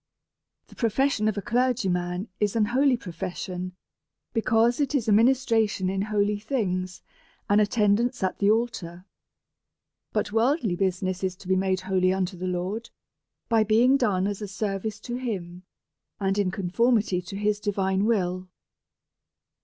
The profession of a clergyman is an holy profession, because it is a ministration in holy tilings, an attend ance at the altar. But worldly business is to be made holy unto the Lord, by being done as a service to him, and in conformity to his divine will.